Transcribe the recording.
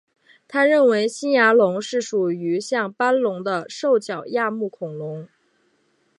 他认为新牙龙是属于像斑龙的兽脚亚目恐龙。